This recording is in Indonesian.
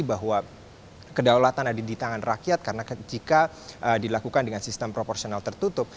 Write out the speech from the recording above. bahwa kedaulatan ada di tangan rakyat karena jika dilakukan dengan sistem proporsional tertutup